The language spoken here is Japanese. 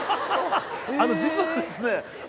あの実はですね